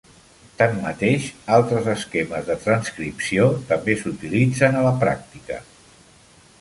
Tanmateix, altres esquemes de transcripció també s'utilitzen a la pràctica.